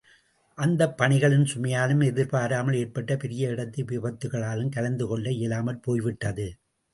அந்தப் பணிகளின் சுமையாலும் எதிர்பாராமல் ஏற்பட்ட பெரிய இடத்து விபத்துக்களாலும் கலந்து கொள்ள இயலாமற் போய்விட்டது.